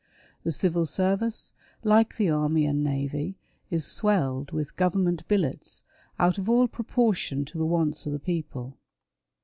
The civil service, like the army and navy, is swelled with " government billets," out of all proportion to the wants of the people.